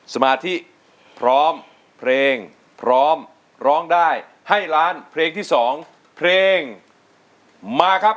สมาธิพร้อมเพลงพร้อมร้องได้ให้ล้านเพลงที่๒เพลงมาครับ